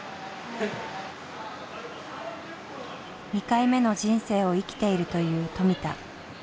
２回目の人生を生きているという富田。